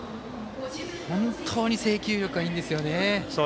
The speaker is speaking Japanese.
本当に制球力がいいんですよね。